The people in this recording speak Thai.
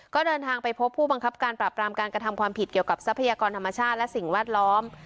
ก็เดินทางไปพบผู้บังคับการปราบรามการกระทำความผิดเกี่ยวกับทรัพยากรธรรมชาติและสิ่งแวดล้อม